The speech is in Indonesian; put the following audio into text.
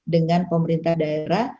dengan pemerintah daerah